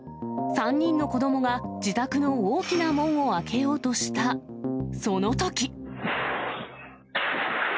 ３人の子どもが自宅の大きな門を開けようとした、そのとき。